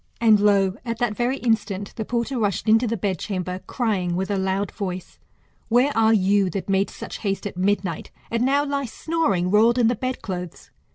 And, lo ! at that very instant the porter rushed into the bed chamber, crying, with a loud voice. Where are you, that made such haste at midnight, and now lie snoring, rolled in the bed clothes